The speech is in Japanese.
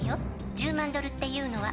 １０万ドルっていうのは」